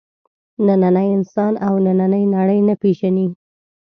نننی انسان او نننۍ نړۍ نه پېژني.